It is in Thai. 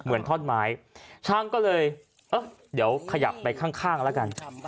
เหมือนท่อนไม้ช่างก็เลยเออเดี๋ยวขยับไปข้างแล้วกัน